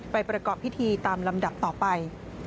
ประกอบพิธีตามลำดับต่อไป